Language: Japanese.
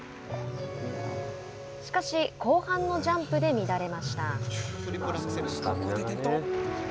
しかし、後半のジャンプで乱れました。